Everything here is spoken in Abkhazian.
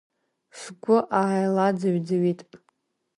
Сгәы ааилаӡыҩ-ӡыҩит.